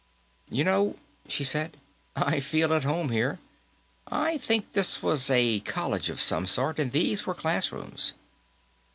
"You know," she said, "I feel at home here. I think this was a college of some sort, and these were classrooms.